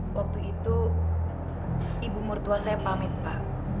waktu itu ibu mertua saya pamit pak